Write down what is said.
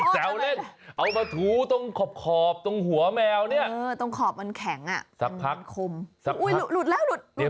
แจ้วเล่นเอามาทูตรงขอบตรงหัวแมวเนี่ย